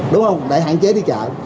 đúng không để hạn chế đi chợ